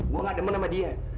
gue nggak demen sama dia